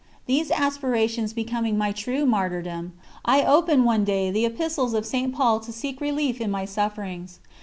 These aspirations becoming a true martyrdom, I opened, one day, the Epistles of St. Paul to seek relief in my sufferings.